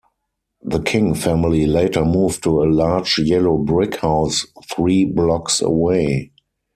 The King family later moved to a large yellow brick house three blocks away.